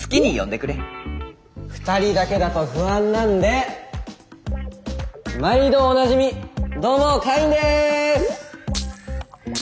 ２人だけだと不安なんで毎度おなじみどうもカインです！